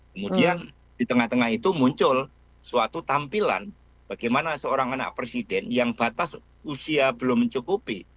kemudian di tengah tengah itu muncul suatu tampilan bagaimana seorang anak presiden yang batas usia belum mencukupi